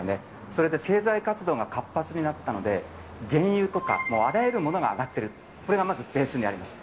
それで経済活動が活発になったので、原油とかあらゆるものが上がってる、これがまずベースにあります。